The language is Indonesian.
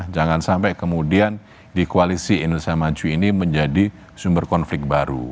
jangan sampai kemudian di koalisi indonesia maju ini menjadi sumber konflik baru